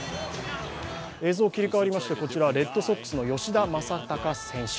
映像切り変わりまして、レッドソックスの吉田正尚選手。